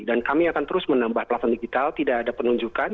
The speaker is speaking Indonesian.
dan kami akan terus menambah platform digital tidak ada penunjukan